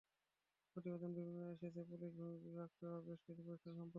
প্রতিবেদন বিভিন্ন সময়ে এসেছে পুলিশ, ভূমি, বিচার বিভাগসহ বেশ কিছু প্রতিষ্ঠান সম্পর্কে।